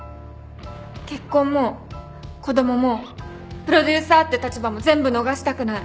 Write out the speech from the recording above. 結婚も子供もプロデューサーって立場も全部逃したくない。